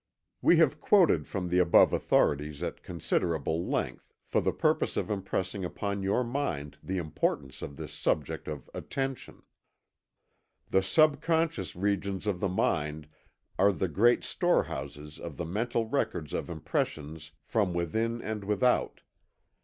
We have quoted from the above authorities at considerable length, for the purpose of impressing upon your mind the importance of this subject of Attention. The subconscious regions of the mind are the great storehouses of the mental records of impressions from within and without.